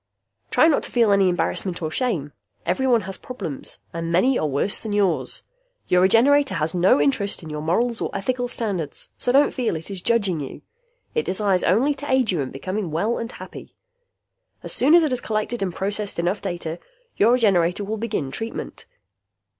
Try not to feel any embarrassment or shame. Everyone has problems and many are worse than yours! Your Regenerator has no interest in your morals or ethical standards, so don't feel it is 'judging' you. It desires only to aid you in becoming well and happy. As soon as it has collected and processed enough data, your Regenerator will begin treatment.